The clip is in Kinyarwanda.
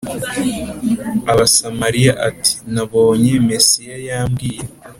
Abasamariya ati nabonye Mesiya Yambwiye